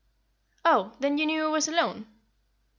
"Oh, then you knew I was alone?"